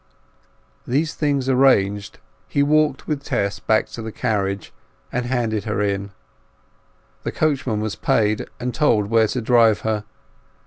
These things arranged, he walked with Tess back to the carriage, and handed her in. The coachman was paid and told where to drive her.